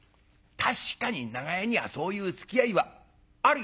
確かに長屋にはそういうつきあいはあるよ。